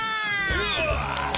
よし！